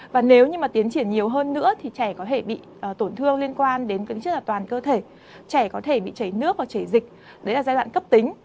và nếu như tiến triển nhiều hơn nữa thì trẻ có thể bị tổn thương liên quan đến toàn cơ thể trẻ có thể bị chảy nước hoặc chảy dịch đấy là giai đoạn cấp tính